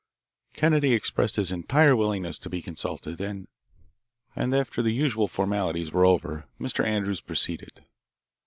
Kennedy expressed his entire willingness to be consulted, and after the usual formalities were over, Mr. Andrews proceeded.